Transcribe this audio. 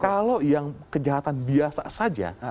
kalau yang kejahatan biasa saja